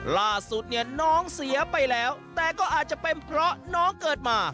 ล่าสุดเนี่ยน้องเสียไปแล้วแต่ก็อาจจะเป็นเพราะน้องเกิดมา